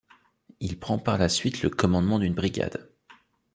Il prend par la suite le commandement d'une brigade.